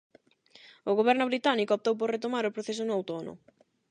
O goberno británico optou por retomar o proceso no outono.